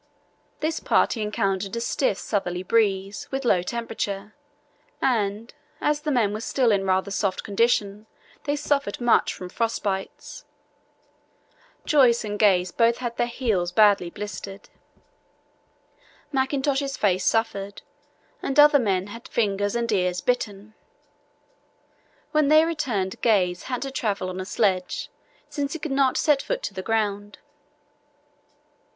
This party encountered a stiff southerly breeze, with low temperature, and, as the men were still in rather soft condition, they suffered much from frost bites. Joyce and Gaze both had their heels badly blistered. Mackintosh's face suffered, and other men had fingers and ears "bitten." When they returned Gaze had to travel on a sledge, since he could not set foot to the ground.